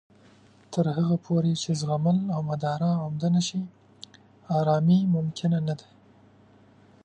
تر هغه پورې چې زغمل او مدارا عمده نه شي، ارامۍ ممکنه نه ده